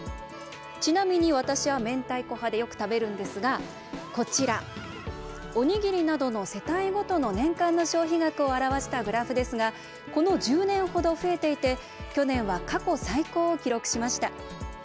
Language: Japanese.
ちなみに私は、めんたいこ派でよく食べるんですが、こちらおにぎりなどの世帯ごとの年間の消費額を表したグラフですがこの１０年程、増えていて去年は過去最高を記録しました。